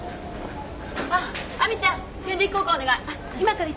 あっ亜美ちゃん点滴交換お願い。